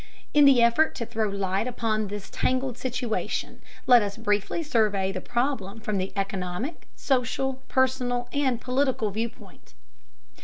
In the effort to throw light upon this tangled situation, let us briefly survey the problem from the economic, social, personal, and political viewpoint.